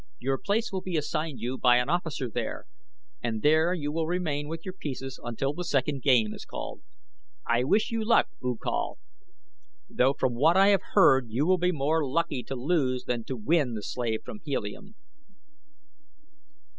Your place will be assigned you by an officer there, and there you will remain with your pieces until the second game is called. I wish you luck, U Kal, though from what I have heard you will be more lucky to lose than to win the slave from Helium."